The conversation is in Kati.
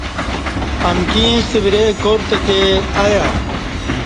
امکی ایݩستہ وریں کار تہ تئے آیہ